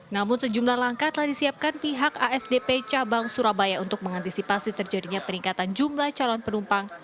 namun sejumlah langkah telah disiapkan pihak asdp cabang surabaya untuk mengantisipasi terjadinya peningkatan jumlah calon penumpang